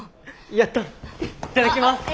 いただきます。